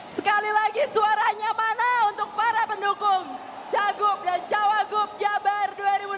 sekali lagi suaranya mana untuk para pendukung cagup dan cawagup jabar dua ribu dua puluh